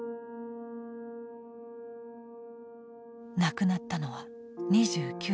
亡くなったのは２９歳。